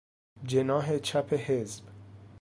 جناح چپ حزب